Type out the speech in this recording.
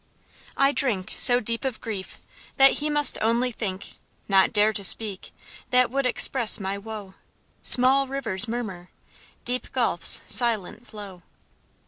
"I drink So deep of grief, that he must only think, Not dare to speak, that would express my woe: Small rivers murmur, deep gulfs silent flow."